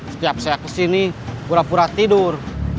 setiap saya kesini pura pura tidur